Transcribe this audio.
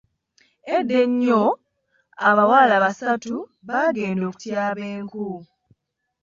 Edda ennyo, abawala basatu baagenda okutyaba enku.